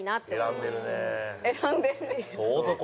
「選んでるね」。